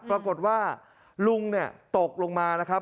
ปรากฏว่าลุงเนี่ยตกลงมานะครับ